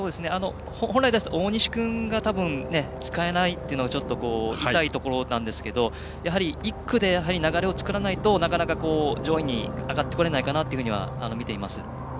本来ですと大西君が使えないというのが痛いところなんですけどやはり１区で流れを作らないとなかなか上位に上がってこれないかなとみています。